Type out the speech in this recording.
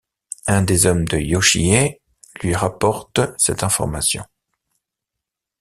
Un des hommes de Yoshiie lui rapporte cette information.